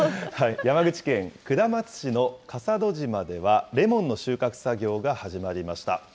山口県下松市の笠戸島では、レモンの収穫作業が始まりました。